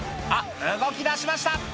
あっ動きだしました！